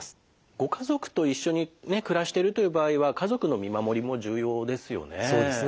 ご家族と一緒にね暮らしてるという場合は家族の見守りも重要ですよね。